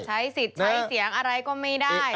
ใช้สิทธิ์ใช้เสียงอะไรก็ไม่ได้